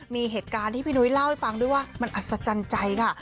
มีเหตุการณ์ที่พี่นุ้ยเล่าให้ฟังด้วยว่ามันอัศจรรย์ใจค่ะ